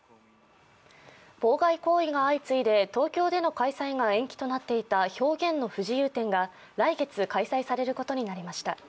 妨害行為が相次いで東京での開催が延期となっていた表現の不自由展が来月開催されることになりました。